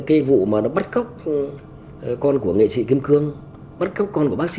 cái vụ mà nó bắt cóc con của nghệ sĩ kim cương bắt cóc con của bác sĩ